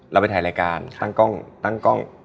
เราไปถ่ายรายการตั้งกล้อง